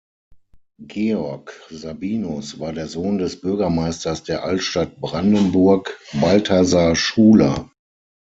Georg Sabinus war der Sohn des Bürgermeisters der Altstadt Brandenburg Balthasar Schuler.